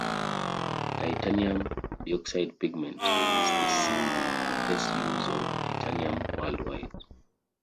Titanium dioxide pigment is the single greatest use of titanium worldwide.